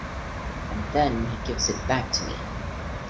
And then he gives it back to me.